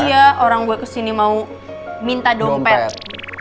iya orang gue kesini mau minta dompet